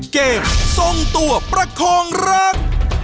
เกมทรงตัวประคองรัก